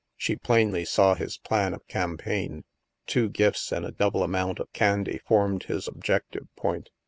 She plainly saw his plan of campaign. Two gifts and a double amount of candy formed his objective point.